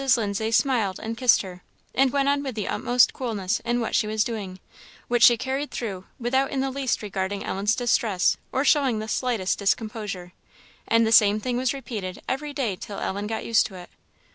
Lindsay smiled and kissed her, and went on with the utmost coolness in what she was doing, which she carried through without in the least regarding Ellen's distress, or showing the slightest discomposure, and the same thing was repeated every day till Ellen got used to it.